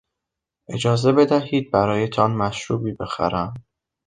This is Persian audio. اجازه بدهید برایتان مشروبی بخرم.